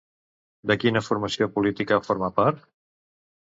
De quina formació política forma part?